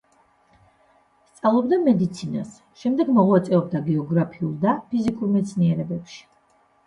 სწავლობდა მედიცინას, შემდეგ მოღვაწეობდა გეოგრაფიულ და ფიზიკურ მეცნიერებებში.